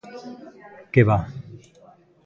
¡Que va!